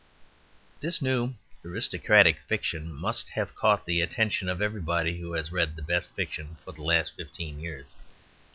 This new aristocratic fiction must have caught the attention of everybody who has read the best fiction for the last fifteen years.